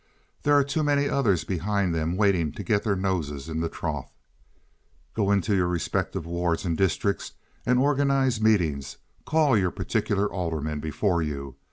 There are too many others behind them waiting to get their noses in the trough. Go into your respective wards and districts and organize meetings. Call your particular alderman before you.